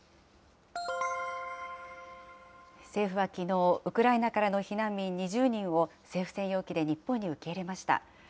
政府はきのう、ウクライナからの避難民２０人を政府専用機で日本に受け入れました。